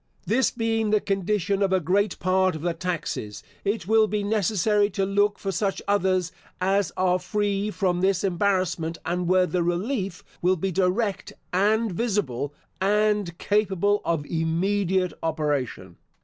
This being the condition of a great part of the taxes, it will be necessary to look for such others as are free from this embarrassment and where the relief will be direct and visible, and capable of immediate operation.